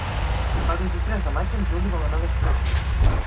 El vint-i-tres de maig en Juli vol anar d'excursió.